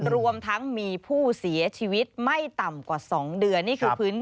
รวมทั้งมีผู้เสียชีวิตไม่ต่ำกว่า๒เดือน